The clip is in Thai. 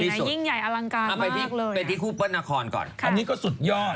ยิ่งใหญ่อลังการเอาไปที่คู่เปิ้ลนครก่อนอันนี้ก็สุดยอด